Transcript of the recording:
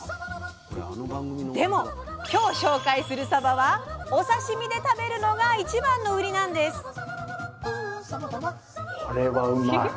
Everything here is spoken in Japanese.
でも今日紹介するサバはお刺身で食べるのが一番のウリなんです！